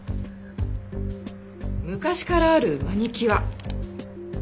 昔からあるマニキュア。